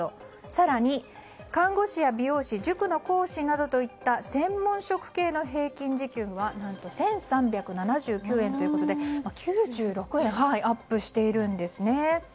更に、看護師や美容師塾の講師などといった専門職系の平均時給は何と１３７９円ということで９６円アップしているんですね。